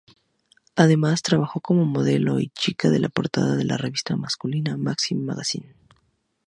Además trabajó como modelo y chica de portada en la revista masculina "Maxim Magazine".